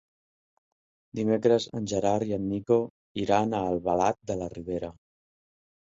Dimecres en Gerard i en Nico iran a Albalat de la Ribera.